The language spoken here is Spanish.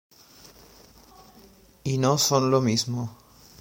Y no son lo mismo.